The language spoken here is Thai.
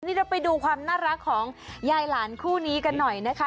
นี่เราไปดูความน่ารักของยายหลานคู่นี้กันหน่อยนะคะ